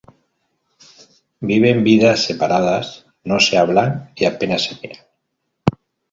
Viven vidas separadas, no se hablan y apenas se miran.